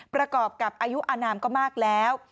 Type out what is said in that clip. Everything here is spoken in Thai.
ประกอบกับอายุอนามก็มากแล้ว